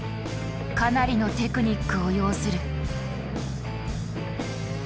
かなりのテクニックを要する。